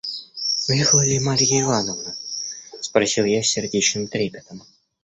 – «Уехала ли Марья Ивановна?» – спросил я с сердечным трепетом.